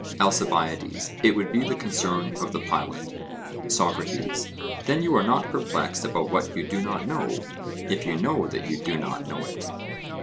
ALCIBIADES: It would be the concern of the pilot. SOCRATES: Then you are not perplexed about what you do not know, if you know that you do not know it?